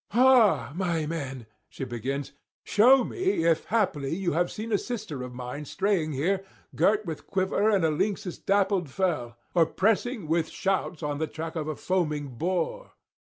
'Ha! my men,' she begins, 'shew me if [322 355]haply you have seen a sister of mine straying here girt with quiver and a lynx's dappled fell, or pressing with shouts on the track of a foaming boar.'